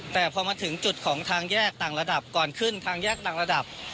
แต่พอมาถึงจุดของทางแยกต่างระดับก่อนขึ้นทางแยกต่างระดับ